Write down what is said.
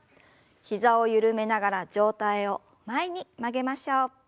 膝を緩めながら上体を前に曲げましょう。